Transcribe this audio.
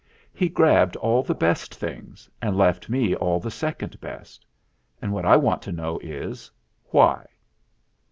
He grabbed all the best things and left me all the second best. And what I want to know is, why